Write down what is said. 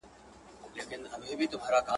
ځم راته یو څوک په انتظار دی بیا به نه وینو !.